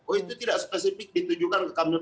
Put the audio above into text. oh itu tidak spesifik ditujukan ke kamil